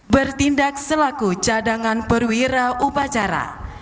bertindak selaku cadangan perwira upacara